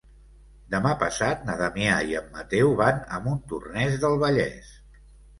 Demà passat na Damià i en Mateu van a Montornès del Vallès.